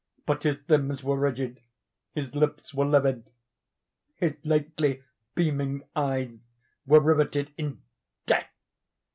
But his limbs were rigid—his lips were livid—his lately beaming eyes were riveted in death.